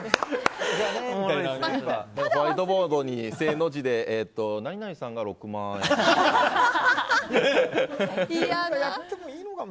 ホワイトボードに正の字で何々さんが６万円って。